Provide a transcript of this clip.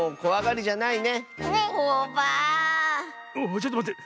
ちょっとまって。